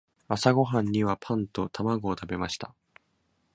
朝ごはんにはパンと卵を食べました。